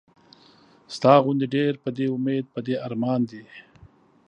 ستا غوندې ډېر پۀ دې اميد پۀ دې ارمان دي